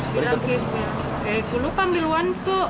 bilang ke eh aku lupa ambil uanku